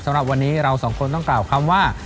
สำหรับวันนี้เราสองคนต้องกล่าวคำว่า